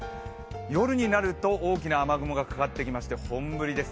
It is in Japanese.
夜になると大きな雨雲がかかってきまして本降りです。